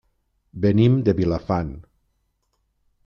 Venim de Vilafant.